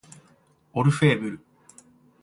オルフェーヴル